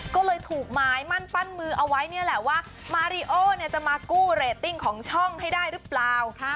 ก็เลยถูกไม้มั่นปั้นมือเอาไว้นี่แหละว่ามาริโอเนี่ยจะมากู้เรตติ้งของช่องให้ได้หรือเปล่า